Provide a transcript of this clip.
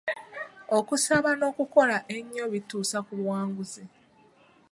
Okusaba n'okukola ennyo bituusa ku buwanguzi.